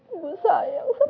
aku akan pulang